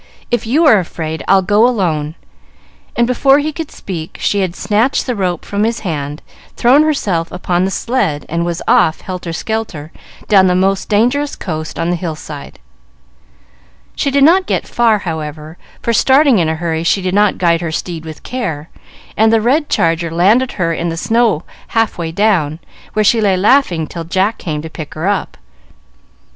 If you are afraid, I'll go alone." And, before he could speak, she had snatched the rope from his hand, thrown herself upon the sled, and was off, helter skelter, down the most dangerous coast on the hill side. She did not get far, however; for, starting in a hurry, she did not guide her steed with care, and the red charger landed her in the snow half way down, where she lay laughing till Jack came to pick her up.